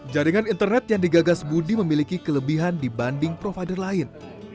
jaringan internet yang digagas budi memiliki kelebihan dibanding provider lain